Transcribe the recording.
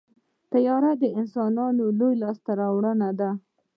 طیاره د انسانانو لویه لاسته راوړنه ده.